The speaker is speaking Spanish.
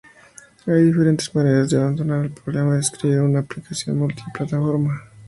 Hay diferentes maneras de abordar el problema de escribir una aplicación multiplataforma.